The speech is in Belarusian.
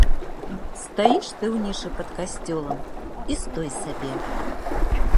Стаіш ты ў нішы пад касцёлам, і стой сабе.